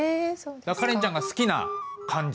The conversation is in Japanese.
カレンちゃんが好きな漢字。